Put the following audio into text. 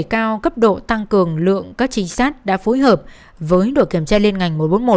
các tổ công thác đã phối hợp với đội kiểm tra liên ngành một trăm bốn mươi một